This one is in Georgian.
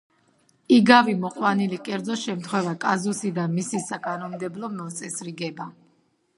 იგავი მოყვანილი კერძო შემთხვევა, კაზუსი და მისი საკანონმდებლო მოწესრიგება.